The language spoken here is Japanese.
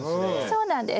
そうなんです。